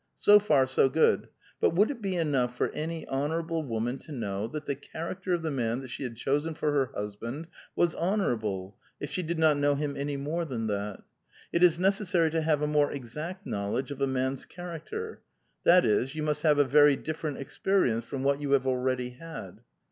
So far so good ; but would it be enoigh for any honorable woman to know that the character of the man that she had chosen for her husband was lior.orable, if she did not know him any more than that? It is necessary to have a more exact knowledge of a man's character ; that is, yon must have a very different experience from what jou have already had.